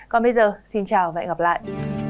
còn bây giờ xin chào và hẹn gặp lại